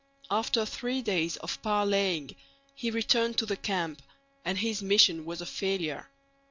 After three days of parleying he returned to the camp, and his mission was a failure.